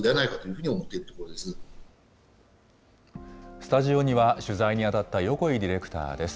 スタジオには、取材に当たった横井ディレクターです。